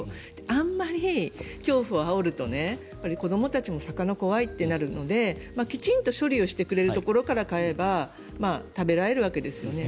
あまり恐怖をあおると子どもたちも魚怖いとなるのできちんと処理してくれるところから買えば食べられるわけですよね。